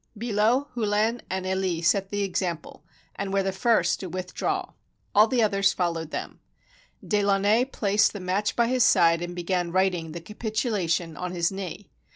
Billot, Hullin, and EUe set the example, and were the first to withdraw. All the others followed them. De Launay placed the match by his side, and began writing the capitulation on his knee.